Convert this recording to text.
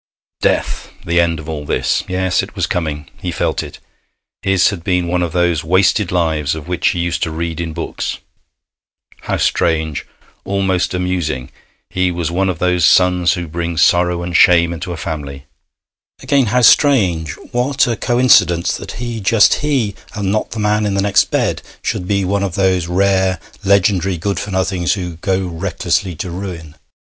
Death! The end of all this! Yes, it was coming. He felt it. His had been one of those wasted lives of which he used to read in books. How strange! Almost amusing! He was one of those sons who bring sorrow and shame into a family. Again, how strange! What a coincidence that he just he and not the man in the next bed should be one of those rare, legendary good for nothings who go recklessly to ruin.